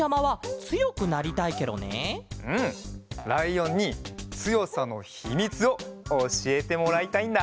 ライオンにつよさのひみつをおしえてもらいたいんだ。